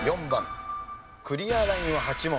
クリアラインは８問。